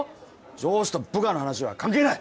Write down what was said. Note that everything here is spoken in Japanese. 上司と部下の話は関係ない！